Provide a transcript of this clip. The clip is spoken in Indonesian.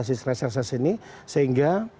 asis reses reses ini sehingga